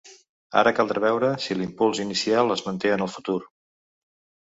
Ara caldrà veure si l’impuls inicial es manté en el futur.